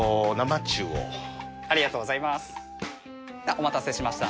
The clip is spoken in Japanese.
お待たせしました。